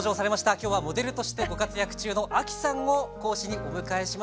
今日はモデルとしてご活躍中の亜希さんを講師にお迎えしました。